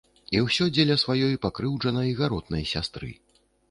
І ўсё дзеля сваёй пакрыўджанай гаротнай сястры.